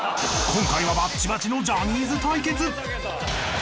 ［今回はバッチバチのジャニーズ対決］